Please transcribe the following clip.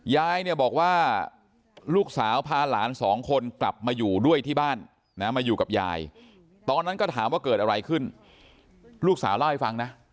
ยายเนี่ยบอกว่าลูกสาวพาหลานสองคนกลับมาอยู่ด้วยที่บ้านนะมาอยู่กับยายตอนนั้นก็ถามว่าเกิดอะไรขึ้นลูกสาวเล่าให้ฟังนะ